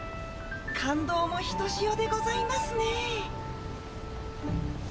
感動もひとしおでございますねぇ。